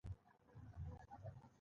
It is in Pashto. دا ډلې له نورو تفکراتو بیل کړي.